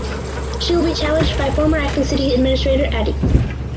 She will be challenged by Former Acting City Administrator Atty.